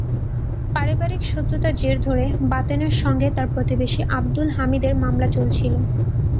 পারিবারিক শত্রুতার জের ধরে বাতেনের সঙ্গে তাঁর প্রতিবেশী আবদুল হামিদের মামলা চলছিল।